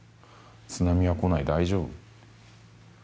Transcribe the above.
津波は来ない、大丈夫。